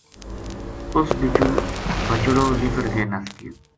اُ س بِچو بچڑو نکڑ کے نس گیو